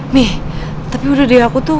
nih tapi udah di aku tuh